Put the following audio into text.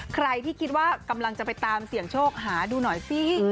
ใครที่คิดว่ากำลังจะไปตามเสี่ยงโชคหาดูหน่อยสิ